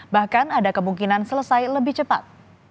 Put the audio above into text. bahkan ada kemungkinan selesai lebih cepat